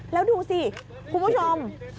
แล้วดูสิคุณผู้ชม